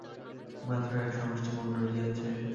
মাত্র এক সমষ্টি মন রহিয়াছে।